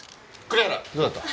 栗原どうだった？